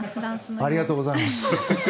ありがとうございます。